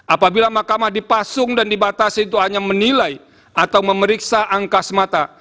apabila makamah dipasung dan dibatasi itu hanya menilai atau memeriksa angka semata